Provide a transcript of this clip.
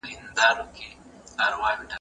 په قلم لیکنه کول د پوهي سره د میني څرګندونه ده.